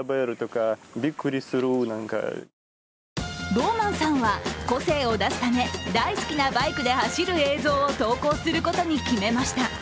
ローマンさんは個性を出すため大好きなバイクで走る映像を投稿することに決めました。